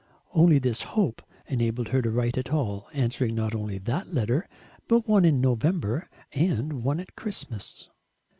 Only this hope enabled her to write at all, answering not only that letter but one in November and one at Christmas.